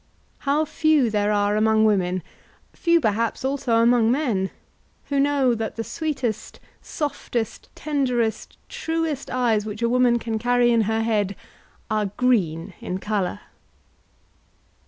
How few there are among women, few perhaps also among men, who know that the sweetest, softest, tenderest, truest eyes which a woman can carry in her head are green in colour!